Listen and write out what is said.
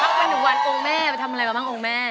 พักมันถึงวันองค์แม่แทบทำอะไรบ้างองค์แม่